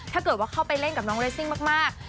ถ้าเกิดว่าเข้าไปเล่นกับน้องเรซิ่งมาก